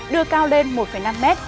đưa cao lên một năm mét